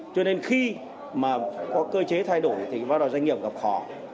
cho nên khi mà có cơ chế thay đổi thì bao giờ doanh nghiệp gặp khó